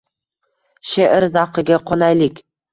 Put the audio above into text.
She’r zavqiga qonaylik.